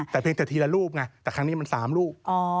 แต่เพียงแต่ทีละรูปไงแต่ครั้งนี้มัน๓รูป